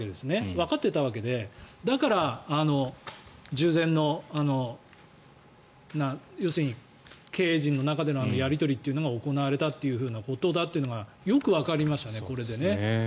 わかっていたわけでだから従前の経営陣の中でのやり取りというのが行われたということがよくわかりましたね、これで。